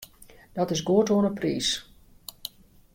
Dat is goed oan 'e priis.